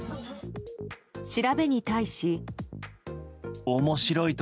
調べに対し。